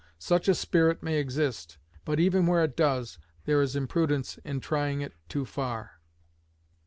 Such a spirit may exist, but even where it does there is imprudence in trying it too far.